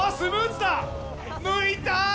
抜いた！